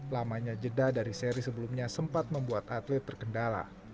lamanya jeda dari seri sebelumnya sempat membuat atlet terkendala